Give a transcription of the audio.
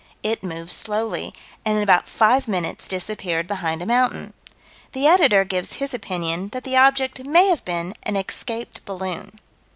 It moved slowly, and in about five minutes disappeared behind a mountain. The Editor gives his opinion that the object may have been an escaped balloon.